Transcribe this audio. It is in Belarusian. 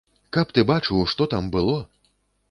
Каб ты бачыў, што там было!